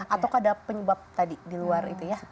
atau ada penyebab tadi di luar